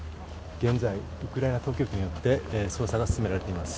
現在、ウクライナ当局によって捜査が進められています。